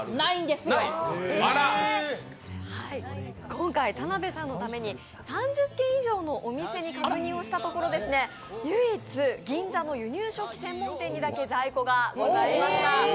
今回、田辺さんのために３０軒以上のお店に確認したところ、唯一銀座の輸入食器専門店にだけ在庫がございました。